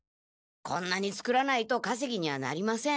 こんなに作らないとかせぎにはなりません。